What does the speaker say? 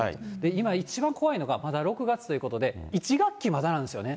今一番怖いのが、まだ６月ということで、１学期まだなんですよね。